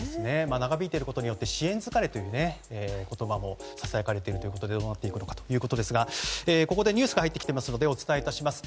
長引いていることによって支援疲れという言葉もささやかれているということでどうなっていくのかということですがここでニュースが入ってきているのでお伝えいたします。